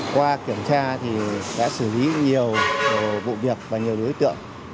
qua kiểm tra thì đã xử lý nhiều vụ việc và nhiều đối tượng